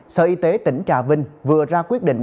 sở y tế tỉnh trà vinh vừa ra quyết định